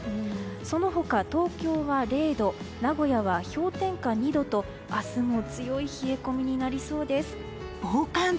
その他、東京は０度名古屋は氷点下２度と、明日も強い冷え込みになりそうです。